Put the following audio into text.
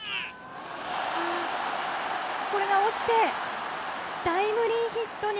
これが落ちてタイムリーヒットに。